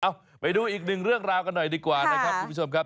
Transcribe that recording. ไปดูอีกหนึ่งเรื่องราวกันหน่อยดีกว่านะครับคุณผู้ชมครับ